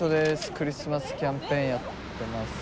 クリスマスキャンペーンやってます。